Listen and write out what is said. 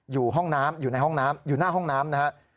อยู่ห้องน้ำอยู่ในห้องน้ำอยู่หน้าห้องน้ำนะครับ